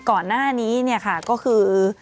ก่อนหน้านี้ก็คือ